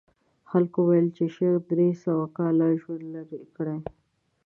خلکو ویل چې شیخ درې سوه کاله ژوند کړی.